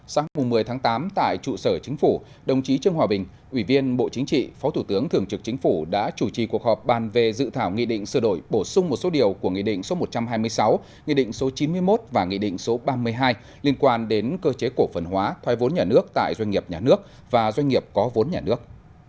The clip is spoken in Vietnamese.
sáng một mươi tháng tám tại trụ sở chính phủ đồng chí trương hòa bình ủy viên bộ chính trị phó thủ tướng thường trực chính phủ đã chủ trì cuộc họp bàn về dự thảo nghị định sửa đổi bổ sung một số điều của nghị định số một trăm hai mươi sáu nghị định số chín mươi một và nghị định số ba mươi hai liên quan đến cơ chế cổ phần hóa thoai vốn nhà nước tại doanh nghiệp nhà nước và doanh nghiệp có vốn nhà nước